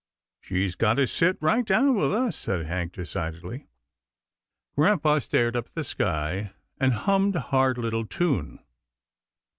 She's got to sit right down with us," said Hank, decidedly. Grampa stared up at the sky, and hummed a hard little tune.